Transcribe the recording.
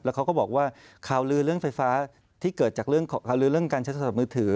เขาก็บอกว่าข่าวลือเรื่องไฟฟ้าที่เกิดจากเรื่องข่าวลือเรื่องการใช้โทรศัพท์มือถือ